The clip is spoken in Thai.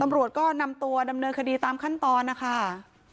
ตำรวจก็นำตัวดำเนินคดีตามขั้นตอนนะคะ